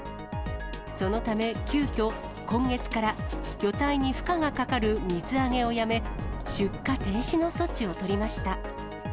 そのため急きょ、今月から、魚体に負荷がかかる水揚げをやめ、出荷停止の措置を取りました。